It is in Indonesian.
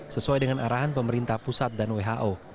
sesuai dengan arahan pemerintah pusat dan who